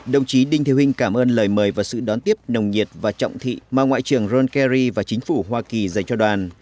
đồng chí đinh thị huynh cảm ơn lời mời và sự đón tiếp nồng nhiệt và trọng thị mà ngoại trưởng john kerry và chính phủ hoa kỳ dành cho đoàn